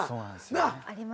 あります。